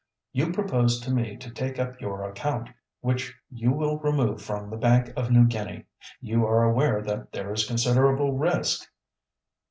"You propose to me to take up your account, which you will remove from the Bank of New Guinea. You are aware that there is considerable risk."